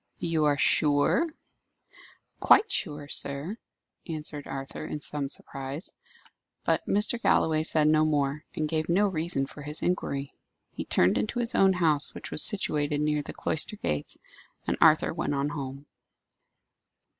"You are sure?" "Quite sure, sir," answered Arthur, in some surprise. But Mr. Galloway said no more, and gave no reason for his inquiry. He turned into his own house, which was situated near the cloister gates, and Arthur went on home.